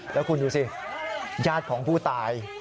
แล้วคุณดูสิญาติของผู้ตาย